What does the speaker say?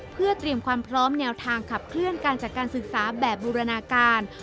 เพื่อเตรียมความพร้อมแนวทางขับเคลื่อนการจัดการศึกษาแบบบูรณาการ